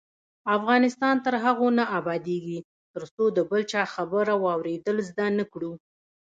افغانستان تر هغو نه ابادیږي، ترڅو د بل چا خبره واوریدل زده نکړو.